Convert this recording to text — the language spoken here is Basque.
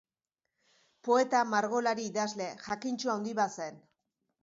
Poeta, margolari, idazle; jakintsu handi bat zen.